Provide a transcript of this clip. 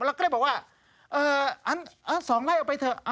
เราก็ได้บอกว่าสองไร่เอาไปเถอะ